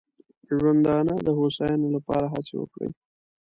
ژوندانه د هوساینې لپاره هڅې وکړي.